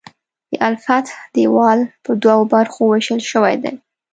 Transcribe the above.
د الفتح دیوال په دوو برخو ویشل شوی دی.